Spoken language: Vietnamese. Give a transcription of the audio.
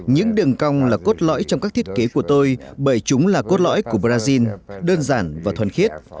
những đường cong là cốt lõi trong các thiết kế của tôi bởi chúng là cốt lõi của brazil đơn giản và thuần khiết